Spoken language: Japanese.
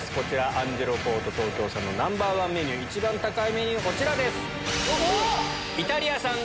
アンジェロコート東京さんの一番高いメニューこちらです。